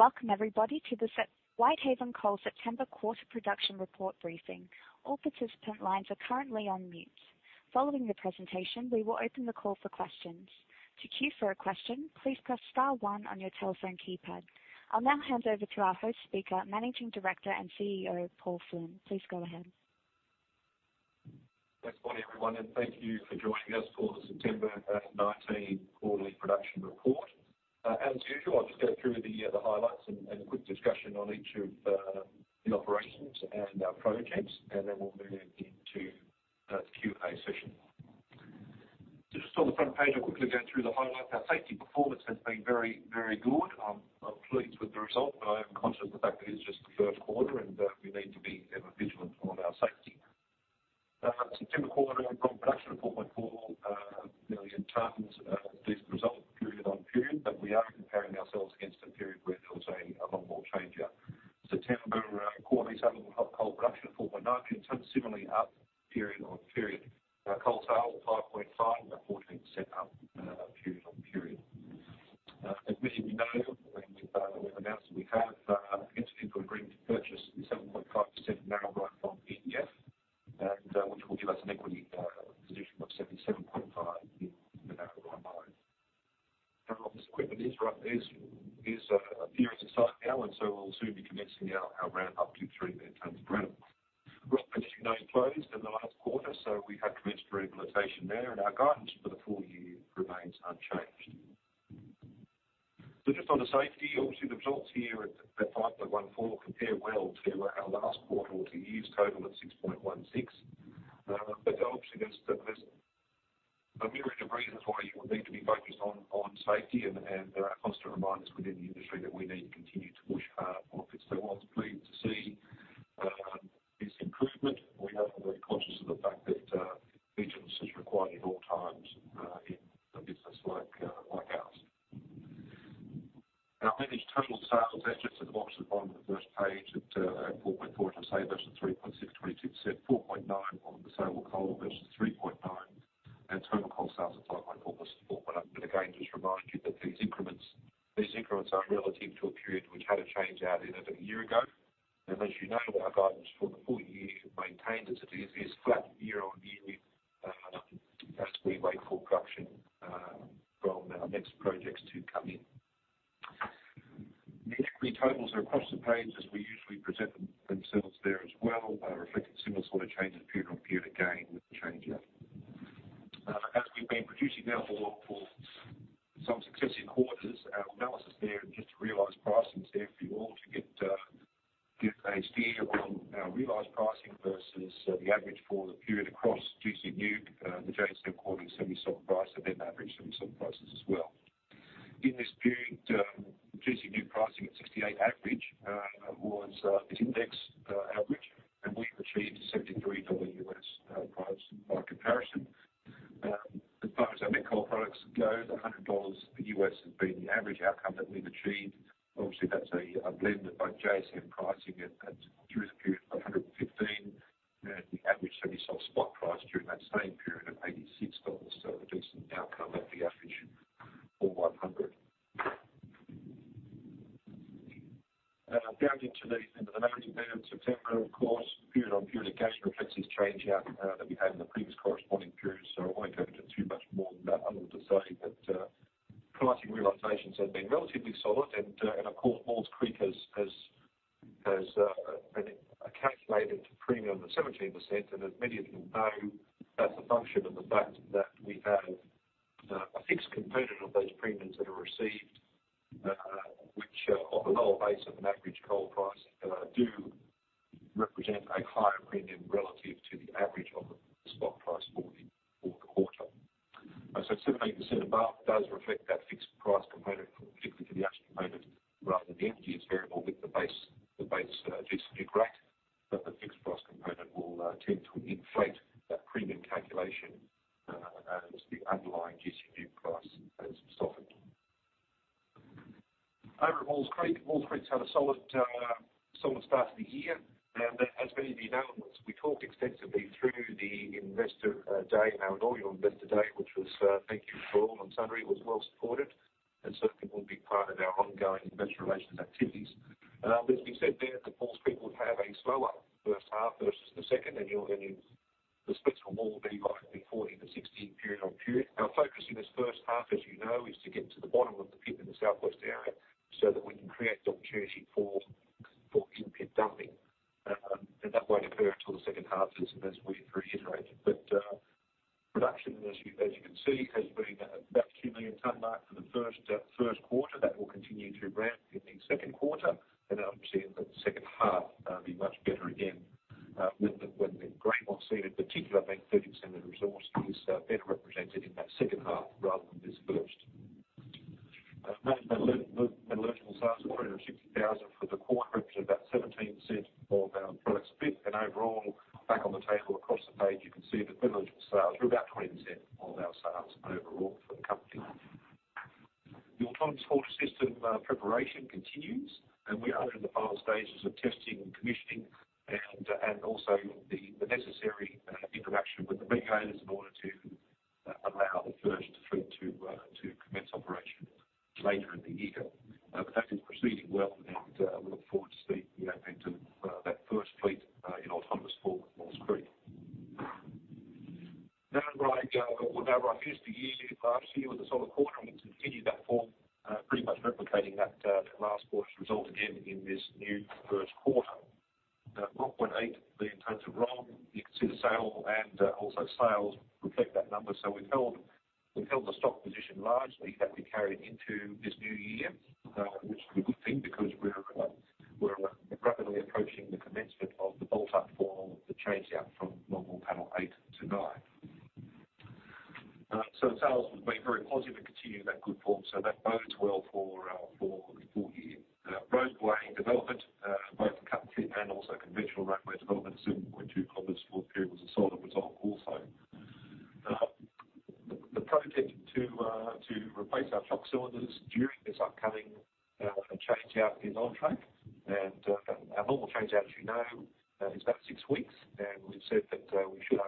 Welcome, everybody, to the Whitehaven Coal September Quarter Production Report Briefing. All participant lines are currently on mute. Following the presentation, we will open the call for questions. To queue for a question, please press star one on your telephone keypad. I'll now hand over to our host speaker, Managing Director and CEO, Paul Flynn. Please go ahead. Thanks for joining everyone, and thank you for joining us for the September 2019 Quarterly Production Report. As usual, I'll just go through the highlights and a quick discussion on each of the operations and our projects, and then we'll move into the Q&A session. Just on the front page, I'll quickly go through the highlights. Our safety performance has been very, very good. I'm pleased with the result, but I am conscious of the fact that it's just the third quarter, and we need to be this improvement. We are very conscious of the fact that vigilance is required at all times in a business like ours. Our managed total sales are just at the bottom of the first page at 4.4, which I'll say versus 3.6, 22%, 4.9 on the sale of coal, versus 3.9, and total coal sales of 5.4 versus 4.1. But again, just remind you and the average semi-soft spot price during that same period of $86, so a decent outcome at the average of 100. Down into the management now in September, of course, period on period again reflects this change out that we've had in the previous corresponding periods, so I won't go into too much more than that other than to say that pricing realizations have been relatively solid, and of course, Maules Creek has been calculated to premium at 17%. And as many of you know, that's a function of the fact that we have a fixed component of those premiums that are received, which on the lower base of an average coal price do represent a higher premium relative to the average of the spot price for the quarter. So 17% above does reflect that fixed price component, particularly for the ash component, whereas in the energy it's variable with the base gC NEWC rate, but the fixed price component will tend to inflate that premium calculation as the underlying gC NEWC price has softened. Over at Maules Creek, Maules Creek's had a solid start to the year, and as many of you know, we talked extensively through the investor day and our inaugural investor day, which was, thank you for all and sundry, was well supported, and certainly will be part of our ongoing investor relations activities. But as we said there, that Maules Creek will have a slower first half versus the second, and the splits will more be like the 14-16 period on period. Our focus in this first half, as you know, is to get to the bottom of the pit in the southwest area so that we can create the opportunity for in-pit dumping, and that won't occur until the second half as we've reiterated. But production, as you can see, has been about a 2 million tonne mark for the first quarter. That will continue to ramp in the second quarter, which is a good thing because we're rapidly approaching the commencement of the longwall, the change out from longwall panel eight to nine. Sales have been very positive and continue in that good form, so that bodes well for the full year. Roadway development, both the cut fit and also conventional roadway development, 7.2 kilometers for the period was a solid result also. The project to replace our chock cylinders during this upcoming change out is on track, and our normal change out, as you know, is about six weeks, and we've said that we should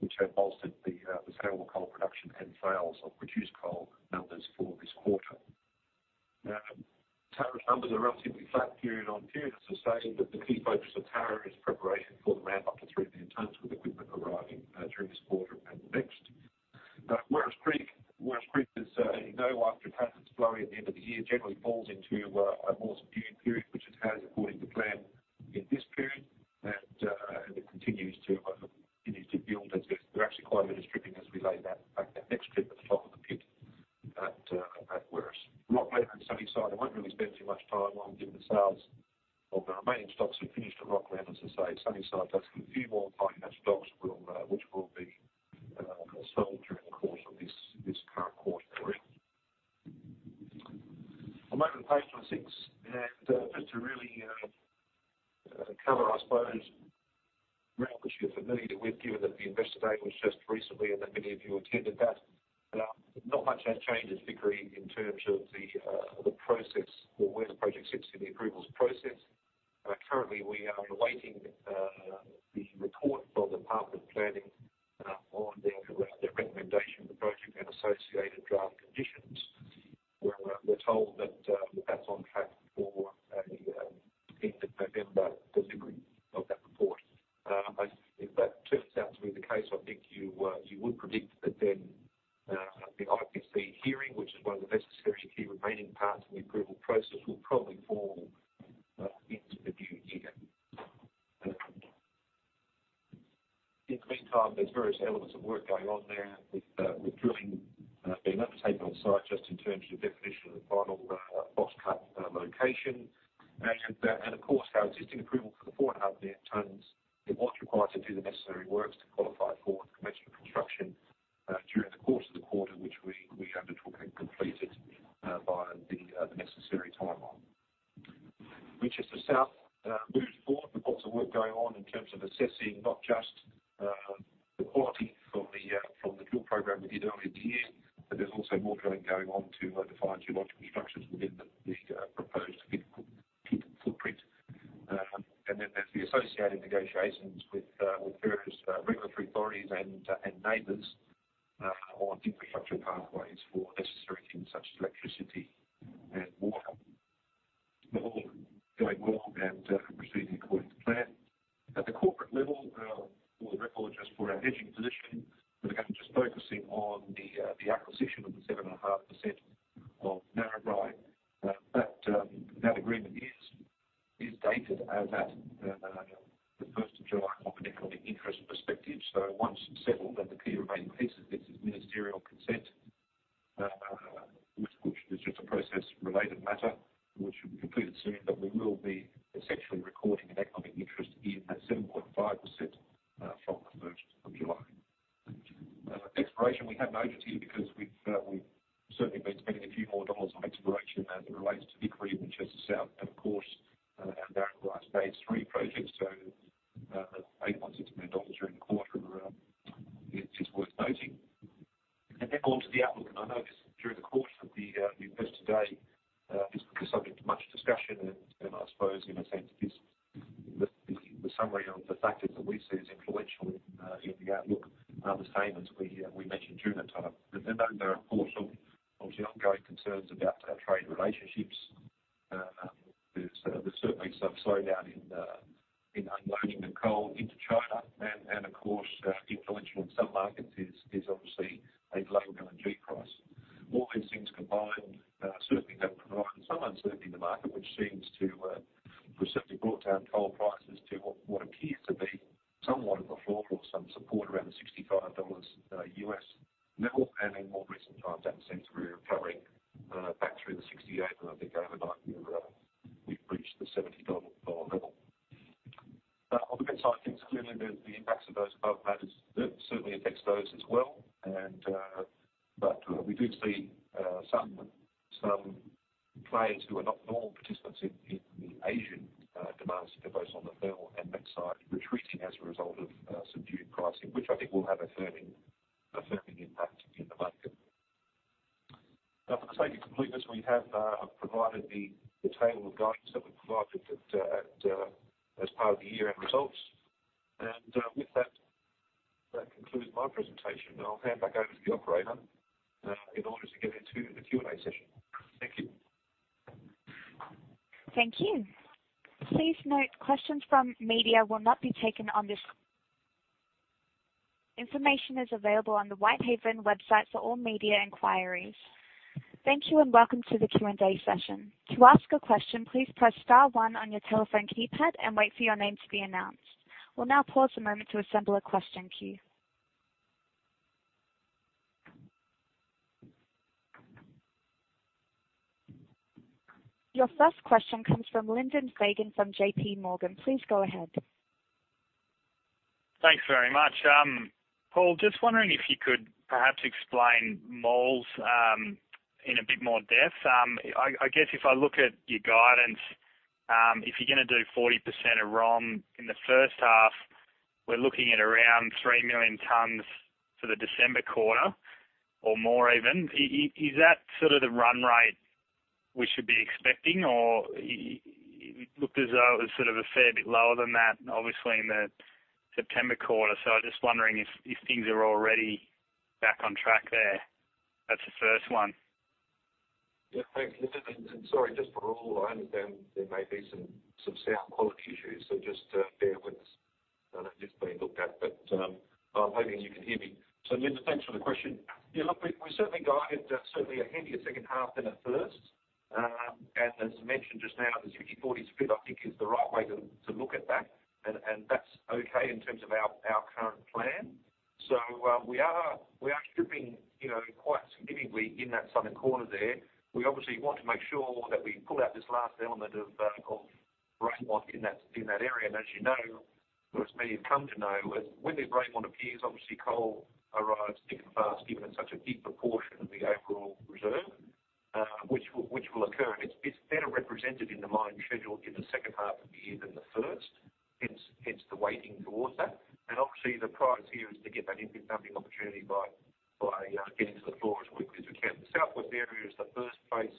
which have bolstered the saleable coal production and sales of produced coal numbers for this quarter. Tarrawonga numbers are relatively flat period on period, as I say, but the key focus of Tarrawonga is preparation for the ramp up to 3 million tonnes with equipment arriving during this quarter and next. Maules Creek, as you know, after it has its flurry at the end of the year, generally falls into a more subdued period, which it has according to plan in this period, and it continues to build as we're actually quite a bit of stripping as we lay that next strip at the top of the pit at Werris Creek. Rocglen and Sunnyside I won't really spend too much time on giving the sales of the remaining stocks we finished at Rocglen, as I say, Sunnyside does have a few more high ash stocks, which will be sold during the course of this current quarter. I'll move the page to a six, and just to really color, I suppose, around what you're familiar with, given that the investor day was just recently and that many of you attended that, not much has changed at Vickery in terms of the process or where the project sits in the approvals process. Currently, we are awaiting the report from the Department of Planning on their recommendation of the project and associated draft conditions. a low LNG price. All these things combined certainly have provided some uncertainty in the market, which seems to have certainly brought down coal prices to what appears to be somewhat of a floor or some support around the $65 level, and in more recent times that seems to be recovering back through the $68, and I think overnight we've reached the $70 level. On the mid-cal things, clearly there's the impacts of those above matters that certainly affects those as well, but we do see some players who are not normal participants in the Asian demand to both on the PCI and mid-cal retreating as a result of subdued pricing, which I think will have a firming impact in the market. Now, for the sake of completeness, we have provided the table of guidance that we provided as part of the year-end results, and with that, that concludes my presentation. I'll hand back over to the operator in order to get into the Q&A session. Thank you. Thank you. Please note questions from media will not be taken on this. Information is available on the Whitehaven website for all media inquiries. Thank you and welcome to the Q&A session. To ask a question, please press star one on your telephone keypad and wait for your name to be announced. We'll now pause a moment to assemble a question queue. Your first question comes from Lyndon Fagan from J.P. Morgan. Please go ahead. Thanks very much. Paul, just wondering if you could perhaps explain Maules in a bit more depth. I guess if I look at your guidance, if you're going to do 40% of ROM in the first half, we're looking at around 3 million tonnes for the December quarter or more even. Is that sort of the run rate we should be expecting, or it looked as though it was sort of a fair bit lower than that, obviously, in the September quarter? So I'm just wondering if things are already back on track there. That's the first one. Yeah, thanks, Lyndon. And sorry, just for all, I understand there may be some sound quality issues, so just bear with us. I know it's just being looked at, but I'm hoping you can hear me. So Lyndon, thanks for the question. Yeah, look, we're certainly guiding, certainly a heavier second half than at first, and as mentioned just now, the 60/40 split, I think, is the right way to look at that, and that's okay in terms of our current plan. So we are stripping quite significantly in that southern corner there. We obviously want to make sure that we pull out this last element of run-of-mine in that area, and as you know, or as many have come to know, when the run-of-mine appears, obviously coal arrives thick and fast, given it's such a big proportion of the overall reserve, which will occur. It's better represented in the mine schedule in the second half of the year than the first, hence the waiting towards that. And obviously, the priority here is to get that in-pit dumping opportunity by getting to the floor as quickly as we can. The southwest area is the first place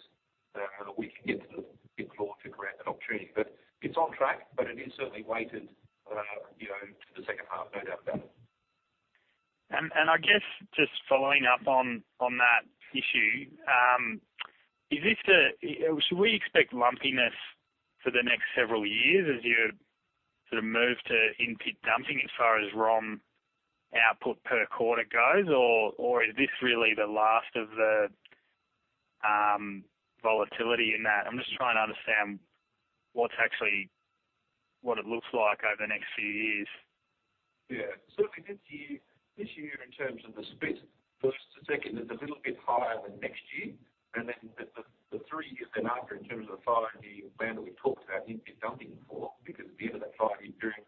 we can get to the floor to grant that opportunity, but it's on track, but it is certainly weighted to the second half, no doubt about it. I guess just following up on that issue, so we expect lumpiness for the next several years as you sort of move to in-pit dumping as far as ROM output per quarter goes, or is this really the last of the volatility in that? I'm just trying to understand what it looks like over the next few years. Yeah, certainly this year in terms of the split, first to second, is a little bit higher than next year, and then the three years thereafter in terms of the five-year plan that we've talked about in-pit dumping for, because at the end of that five-year period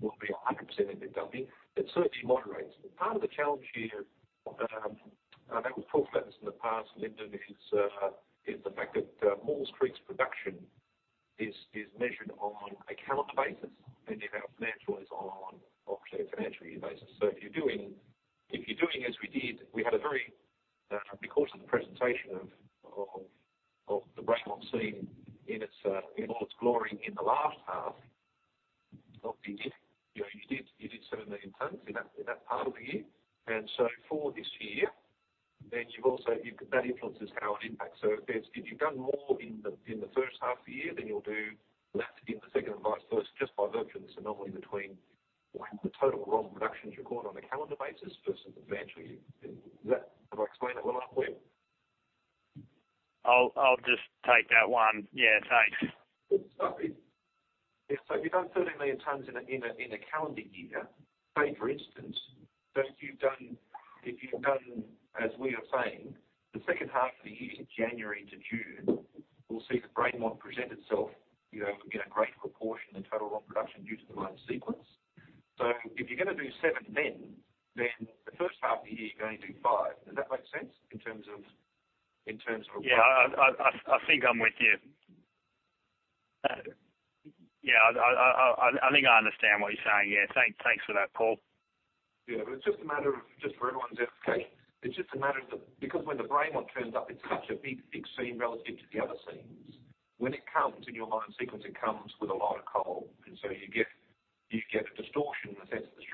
will be 100% in-pit dumping. It certainly moderates. Part of the challenge here, and I know we've talked about this in the past, Lyndon, is the fact that Maules Creek's production is measured on a calendar basis, and then our financial is on obviously a financial year basis. So if you're doing as we did, we had a very recorded presentation of the Greta Seam in all its glory in the last half of the year. You did seven million tonnes in that part of the year, and so for this year, then that influences how it impacts. So if you've done more in the first half of the year, then you'll do less in the second and vice versa, just by virtue of this anomaly between when the total ROM production is recorded on a calendar basis versus the financial year. Have I explained that well enough, William? I'll just take that one. Yeah, thanks. Sorry. Yeah, so if you've done seven million tonnes in a calendar year, say for instance, if you've done, as we are saying, the second half of the year January to June, we'll see the rainwater present itself in a greater proportion than total ROM production due to the mine sequence. So if you're going to do seven then, the first half of the year you're going to do five. Does that make sense in terms of? Yeah, I think I'm with you. Yeah, I think I understand what you're saying. Yeah, thanks for that, Paul. Yeah, but it's just a matter of, for everyone's sake, because when the rainwater turns up, it's such a big, thick seam relative to the other seams. When it comes in your mine sequence, it comes with a lot of coal, and so you get a distortion in the sense that the strip ratio is obviously very low during that period because you've got a lot of coal that appears in a very quick period of time. And by implication, the balance of the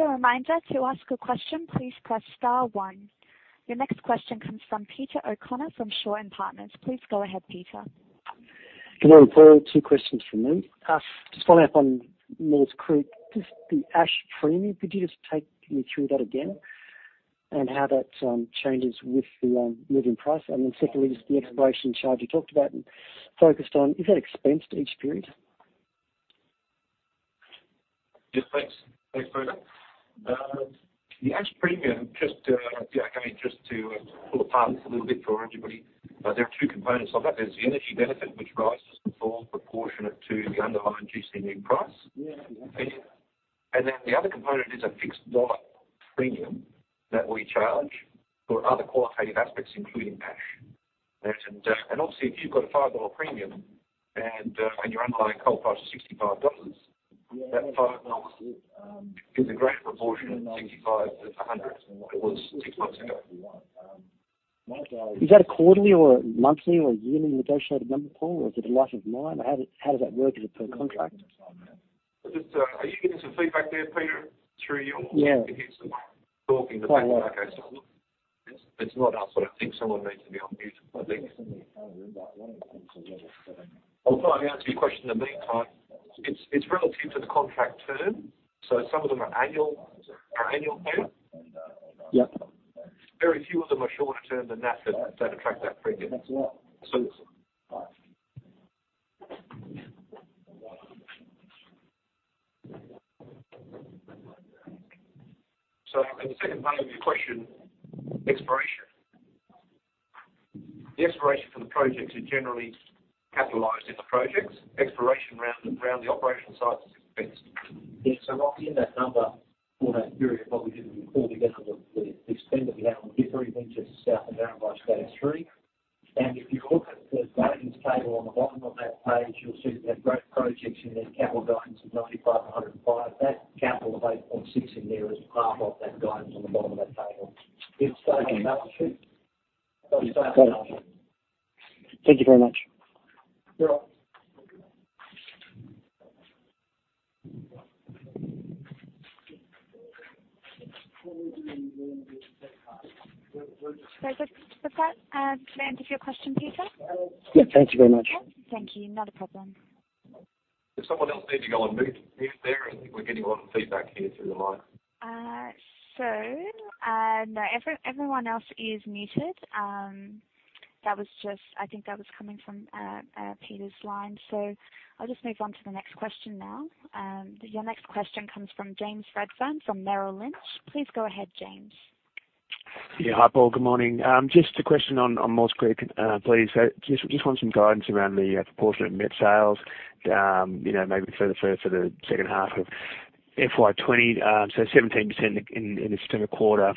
year stripping is a little higher on average to get to that overall 6.4-to-1. Now, you know in this year we have guided a 7-to-1 strip ratio, which gives most of that cost increase we've talked about at the investor day. Yeah, thanks for that. Thank you, Lyndon. Just a reminder to ask a question, please press star one. Your next question comes from Peter O'Connor from Shaw and Partners. Please go ahead, Peter. Good morning, Paul. Two questions from me. Just following up on Maules Creek, just the ash premium, could you just take me through that again and how that changes with the moving price? And then secondly, just the exploration charge you talked about and focused on, is that expensed each period? Yeah, thanks. Thanks, Peter. The ash premium, just again, just to pull apart this a little bit for everybody, there are two components of that. There's the energy benefit, which rises to the full proportionate to the underlying GC NEWC price. And then the other component is a fixed dollar premium that we charge for other qualitative aspects, including ash. And obviously, if you've got a $5 premium and your underlying coal price is $65, that $5 is a greater proportion than $65 to $100. It was six months ago. Is that a quarterly or monthly or yearly negotiated number, Paul, or is it a life of mine? How does that work as per contract? Are you getting some feedback there, Peter, through your speaking? Yeah. Talking, but that's okay. It's not us, but I think someone needs to be on mute, I think. I don't remember. I wanted to ask as well. I'll try and answer your question in the meantime. It's relative to the contract term, so some of them are annual payment. Very few of them are shorter term than that attract that premium. So it's in the second part of your question, exploration. The exploration for the projects is generally capitalized in the projects. Exploration around the operational sites is fixed. Yeah, so I'll give you that number for that period, what we did before we get on with the spend that we had on the different inventories to South of Narrabri phase three. If you look at the guidance table on the bottom of that page, you'll see that we have great projects in that capital guidance of 95-105. That capital of 8.6 in there is half of that guidance on the bottom of that table. It will stay on the balance sheet. That will stay on the balance sheet. Thank you very much. You're all right. Sorry, did that land with your question, Peter? Yeah, thank you very much. Thank you. Not a problem. Did someone else need to go on mute here and there? I think we're getting a lot of feedback here through the mic. So no, everyone else is muted. I think that was coming from Peter's line. So I'll just move on to the next question now. Your next question comes from James Redfern from Merrill Lynch. Please go ahead, James. Yeah, hi, Paul. Good morning. Just a question on Maules Creek, please. Just want some guidance around the proportionate met sales, maybe for the second half of FY20. So 17% in the September quarter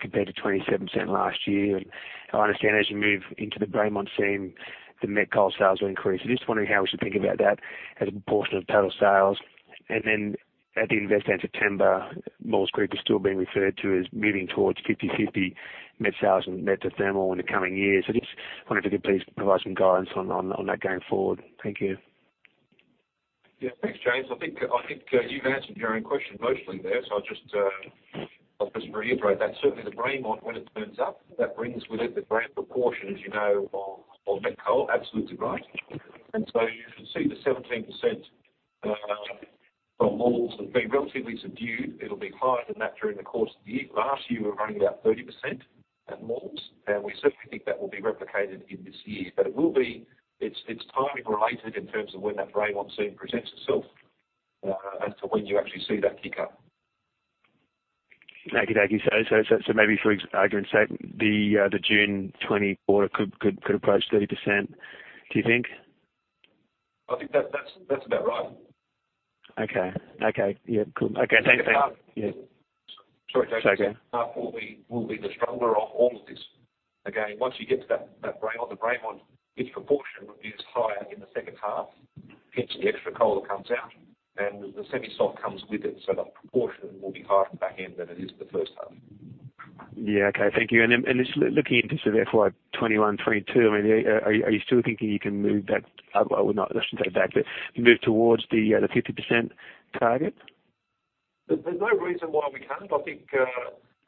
compared to 27% last year. And I understand as you move into the Greta Seam, the met coal sales will increase. So just wondering how we should think about that as a proportion of total sales. And then at the investor day in September, Maules Creek is still being referred to as moving towards 50/50 met sales and met to thermal in the coming years. So just wondering if you could please provide some guidance on that going forward. Thank you. Yeah, thanks, James. I think you've answered your own question mostly there, so I'll just reiterate that. Certainly, the Greta Seam when it turns up, that brings with it the greater proportion, as you know, of met coal. Absolutely right. And so you should see the 17% from Maules will be relatively subdued. It'll be higher than that during the course of the year. Last year, we were running about 30% at Maules, and we certainly think that will be replicated in this year. But it will be. It's timing related in terms of when that Greta Seam presents itself as to when you actually see that kick up. Okay, thank you. So maybe for argument's sake, the June 2020 quarter could approach 30%, do you think? I think that's about right. Okay. Yeah, cool. Okay, thanks. Second half, sorry, James. Second half will be the stronger of all of this. Again, once you get to that Greta Seam, the Greta Seam its proportion is higher in the second half, hence the extra coal that comes out, and the semi-soft comes with it. So that proportion will be higher from back end than it is the first half. Yeah, okay. Thank you. And looking into sort of FY21, FY22, I mean, are you still thinking you can move that, well, I shouldn't say that, but move towards the 50% target? There's no reason why we can't. I think,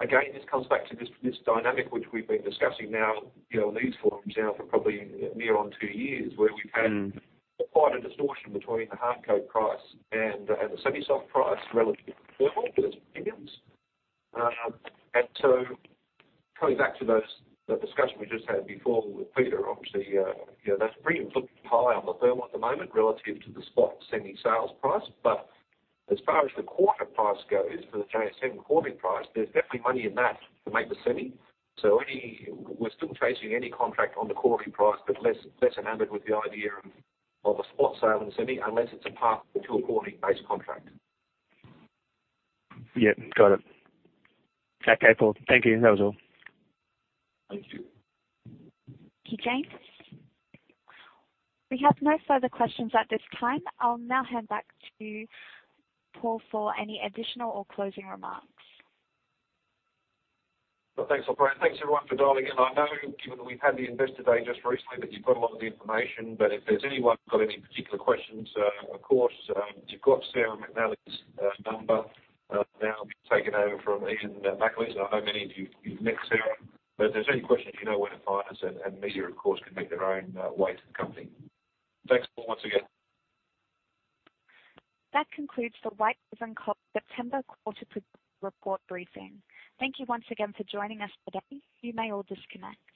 again, this comes back to this dynamic which we've been discussing now, these forums now for probably near on two years, where we've had quite a distortion between the hard coking price and the semi-soft price relative to thermal for those premiums. And so coming back to that discussion we just had before with Peter, obviously, that premium's looking high on the thermal at the moment relative to the spot semi-soft price. But as far as the quarter price goes for the JSM quarterly price, there's definitely money in that to make the semi-soft. So we're still chasing any contract on the quarterly price, but less enamored with the idea of a spot sale in semi-soft unless it's a part of a two or quarterly base contract. Yeah, got it. Okay, Paul. Thank you. That was all. Thank you. Thank you, James. We have no further questions at this time. I'll now hand back to Paul for any additional or closing remarks. Thanks, O'Brien. Thanks, everyone, for dialing in. I know, given that we've had the investor day just recently, that you've got a lot of the information, but if there's anyone who's got any particular questions, of course, you've got Sarah McNally's number now taken over from Ian McAleese. And I know many of you've met Sarah, but if there's any questions, you know where to find us, and media, of course, can make their own way to the company. Thanks, Paul, once again. That concludes the Whitehaven Coal September quarter report briefing. Thank you once again for joining us today. You may all disconnect.